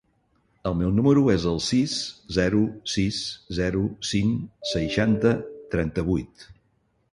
El meu número es el sis, zero, sis, zero, cinc, seixanta, trenta-vuit.